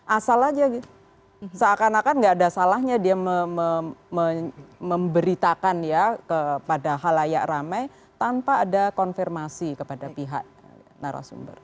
asal aja seakan akan nggak ada salahnya dia memberitakan ya kepada halayak ramai tanpa ada konfirmasi kepada pihak narasumber